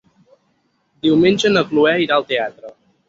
Diumenge na Cloè irà al teatre.